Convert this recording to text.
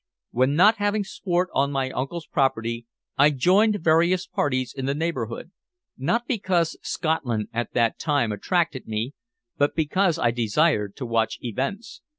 When not having sport on my uncle's property, I joined various parties in the neighborhood, not because Scotland at that time attracted me, but because I desired to watch events.